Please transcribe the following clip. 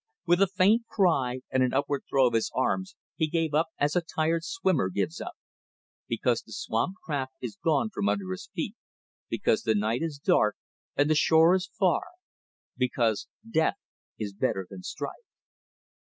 With a faint cry and an upward throw of his arms he gave up as a tired swimmer gives up: because the swamped craft is gone from under his feet; because the night is dark and the shore is far because death is better than strife.